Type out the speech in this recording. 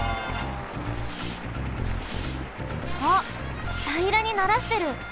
あったいらにならしてる！